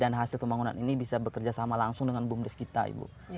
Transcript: dan hasil pembangunan ini bisa bekerja sama langsung dengan bumdes kita ibu